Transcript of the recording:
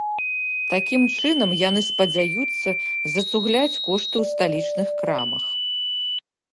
Такім чынам яны спадзяюцца зацугляць кошты ў сталічных крамах.